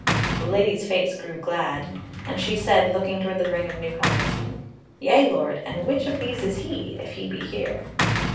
The Lady's face grew glad, and she said, looking toward the ring of new comers: "Yea, Lord, and which of these is he, if he be here?"